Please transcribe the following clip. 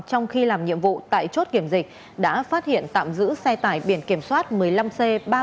trong khi làm nhiệm vụ tại chốt kiểm dịch đã phát hiện tạm giữ xe tải biển kiểm soát một mươi năm c ba mươi một nghìn sáu trăm hai mươi bảy